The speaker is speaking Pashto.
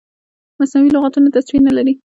مصنوعي لغتونه تصویر نه لري.